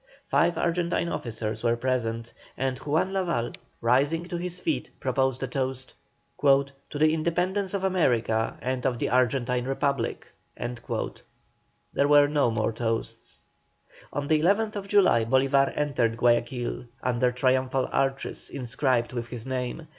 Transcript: Five Argentine officers were present, and Juan Lavalle, rising to his feet, proposed a toast: "To the independence of America, and of the Argentine Republic." There were no more toasts. On the 11th July Bolívar entered Guayaquil, under triumphal arches inscribed with his name.